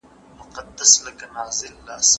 کډوال د ښارونو اقتصادي برخه دي.